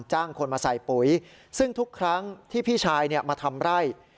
จ้างคนมาใส่ปุ๋ยซึ่งทุกครั้งที่พี่ชายมาทำไร่